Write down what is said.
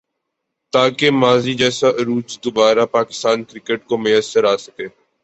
تاکہ ماضی جیسا عروج دوبارہ پاکستان کرکٹ کو میسر آ سکے